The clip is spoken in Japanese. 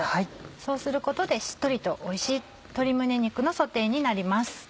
そうすることでしっとりとおいしい鶏胸肉のソテーになります。